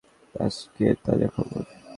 আজকের তাজা খবর।